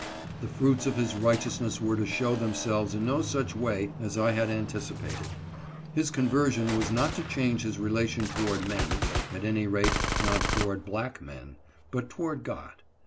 The fruits of his righteousness were to show themselves in no such way as I had anticipated. His conversion was not to change his relation toward men — at any rate not toward black men — but toward God.